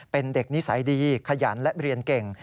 เป็นเด็กนิสัยดีขยันและเรียนเก่ง